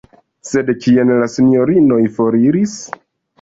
Sed kien la sinjorinoj foriris?